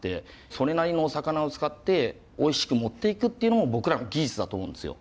それなりのお魚を使っておいしく持っていくっていうのも僕らの技術だと思うんですよ。